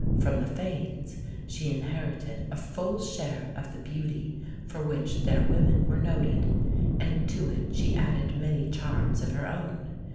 From the Fanes she inherited a full share of the beauty for which their women were noted, and to it she added many charms of her own.